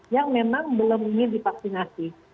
yang memang belum ingin divaksinasi